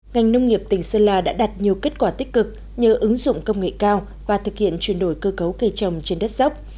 ngành nông nghiệp tỉnh sơn la đã đạt nhiều kết quả tích cực nhờ ứng dụng công nghệ cao và thực hiện chuyển đổi cơ cấu cây trồng trên đất dốc